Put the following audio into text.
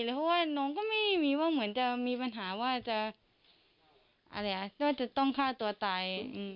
เพราะว่าน้องก็ไม่มีว่าเหมือนจะมีปัญหาว่าจะต้องฆ่าตัวตาย